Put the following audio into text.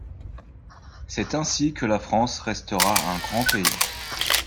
C’est ainsi que la France restera un grand pays.